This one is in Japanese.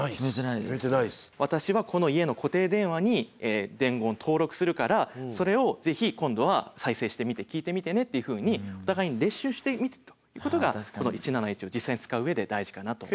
私はこの家の固定電話に伝言・登録するからそれをぜひ今度は再生してみて聞いてみてねっていうふうにお互いに練習してみることがこの１７１を実際に使う上で大事かなと思います。